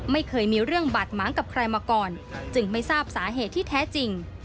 ไม่เคยมีเรื่องบาดหมางกับใครมาก่อนจึงไม่ทราบสาเหตุที่แท้จริง